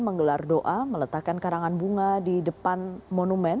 menggelar doa meletakkan karangan bunga di depan monumen